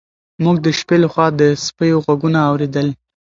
موږ د شپې لخوا د سپیو غږونه اورېدل.